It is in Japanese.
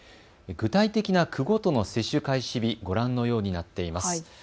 具体的な区ごとの接種開始日ご覧のようになっています。